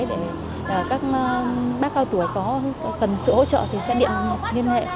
để các bác cao tuổi có cần sự hỗ trợ thì sẽ điện liên hệ